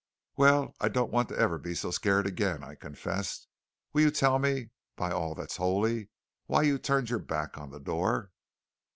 "Well, I don't want ever to be so scared again," I confessed. "Will you tell me, by all that's holy, why you turned your back on the door?"